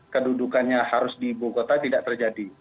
kedudukannya harus di ibu kota tidak terjadi